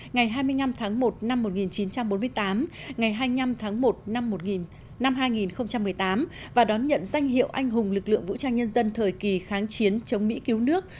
ngày hai mươi năm tháng một năm một nghìn chín trăm bốn mươi tám ngày hai mươi năm tháng một năm hai nghìn một mươi tám và đón nhận danh hiệu anh hùng lực lượng vũ trang nhân dân thời kỳ kháng chiến chống mỹ cứu nước